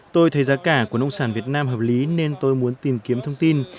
tôi thấy giá cả của nông sản việt nam hợp lý nên tôi muốn tìm kiếm thông tin